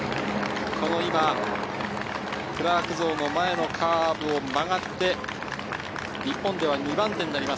クラーク像の前のカーブを曲がって、日本では２番手。